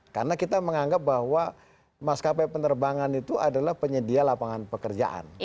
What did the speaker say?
karena kita menganggap bahwa maskapai penerbangan itu adalah penyedia lapangan pekerjaan